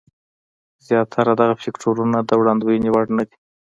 زیاتره دغه فکټورونه د وړاندوینې وړ نه دي.